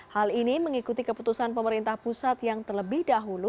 hal ini mengikuti keputusan pemerintah pusat yang terlebih dahulu